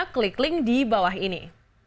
klik link di bawah ini